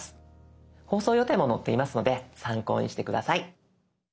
放送予定も載っていますので参考にして下さい。